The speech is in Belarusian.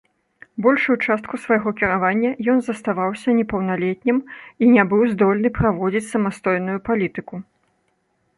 Большую частку свайго кіравання ён заставаўся непаўналетнім і не быў здольны праводзіць самастойную палітыку.